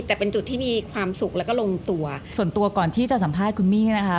แต่เป็นจุดที่มีความสุขแล้วก็ลงตัวส่วนตัวก่อนที่จะสัมภาษณ์คุณมี่นะคะ